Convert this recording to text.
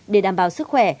để đảm bảo sức khỏe